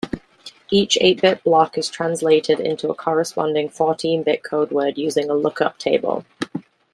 Each eight-bit block is translated into a corresponding fourteen-bit codeword using a lookup table.